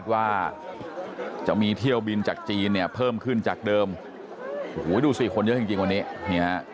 ว่าจะมีเที่ยวบินจากจีนเนี่ยเพิ่มขึ้นจากเดิมโอ้โหดูสิคนเยอะจริงจริงวันนี้นี่ฮะ